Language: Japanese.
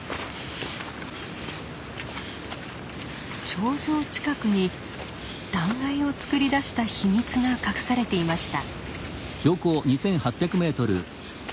頂上近くに断崖をつくり出した秘密が隠されていました。